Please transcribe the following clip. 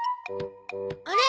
あれ？